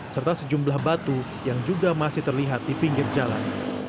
serta sejumlah batu yang juga masih terlihat di pinggir jalan